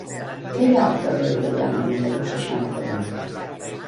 Què hi ha al carrer d'Orellana número seixanta-u?